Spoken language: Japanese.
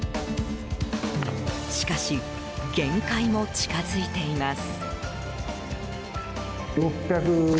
しかし、限界も近づいています。